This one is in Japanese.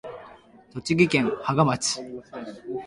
栃木県芳賀町